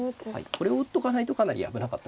これを打っとかないとかなり危なかったです。